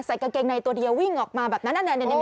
กางเกงในตัวเดียววิ่งออกมาแบบนั้น